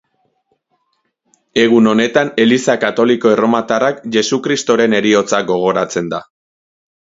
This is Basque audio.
Egun honetan Eliza Katoliko Erromatarrak Jesukristoren Heriotza gogoratzen da.